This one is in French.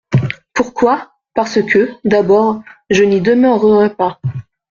Pourquoi ? Parce que, d'abord, je n'y demeurerai pas.